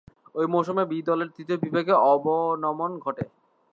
ঐ মৌসুমে বি দলের তৃতীয় বিভাগে অবনমন ঘটে।